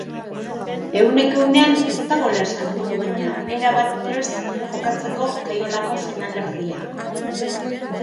Ehuneko ehunean ez dagoela esan du, baina erabat prest jokatzeko kaiolako finalerdia.